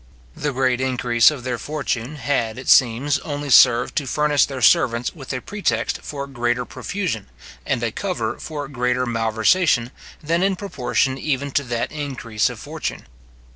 The great increase of their fortune had, it seems, only served to furnish their servants with a pretext for greater profusion, and a cover for greater malversation, than in proportion even to that increase of fortune.